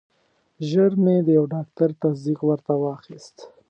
ژر مې د یو ډاکټر تصدیق ورته واخیست.